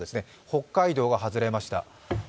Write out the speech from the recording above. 北海道が外れました。